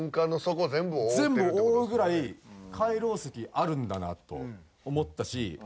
全部覆うぐらい海楼石あるんだなと思ったし。